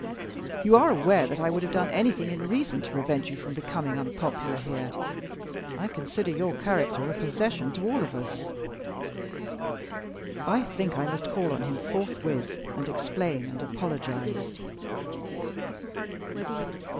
You are aware that I would have done anything in reason to prevent you from becoming unpopular here. I consider your character a possession to all of us." "I think I must call on him forthwith and explain and apologize."